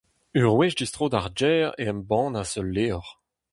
Ur wech distro d'ar gêr e embannas ul levr.